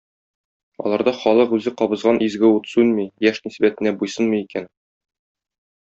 Аларда халык үзе кабызган изге ут сүнми, яшь нисбәтенә буйсынмый икән.